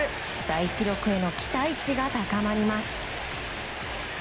大記録への期待値が高まります。